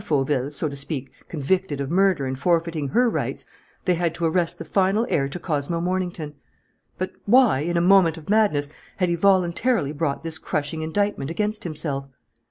Fauville, so to speak, convicted of murder and forfeiting her rights, they had arrested the final heir to Cosmo Mornington. But why, in a moment of madness, had he voluntarily brought this crushing indictment against himself?